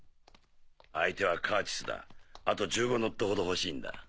相手はカーチスだあと１５ノットほど欲しいんだ。